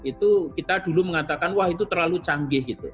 itu kita dulu mengatakan wah itu terlalu canggih gitu